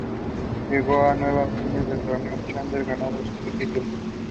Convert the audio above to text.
Adjacent to shrine there is big mosque and Graveyard.